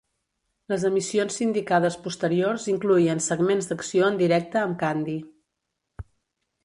Les emissions sindicades posteriors incloïen segments d'acció en directe amb Candy.